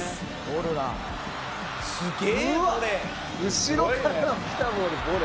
「後ろからの来たボールボレー」